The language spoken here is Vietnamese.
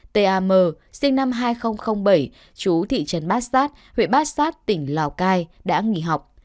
t a m sinh năm hai nghìn bảy chú thị trấn bát sát huyện bát sát tỉnh lào cai đã nghỉ học